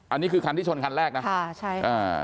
อันนี้คือคันที่ชนคันแรกนะค่ะใช่อ่า